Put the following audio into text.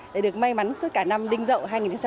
để được may mắn suốt cả năm đinh dậu hai nghìn một mươi chín